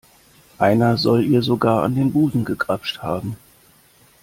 Einer soll ihr sogar an den Busen gegrapscht haben.